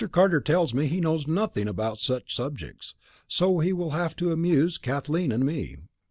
Carter tells me he knows nothing about such subjects, so he will have to amuse Kathleen and me."